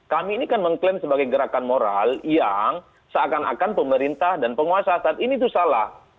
kami ini kan mengklaim sebagai gerakan moral yang seakan akan pemerintah dan penguasa saat ini itu salah